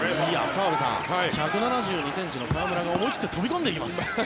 澤部さん１７２ｃｍの河村が思い切って飛び込んでいきます。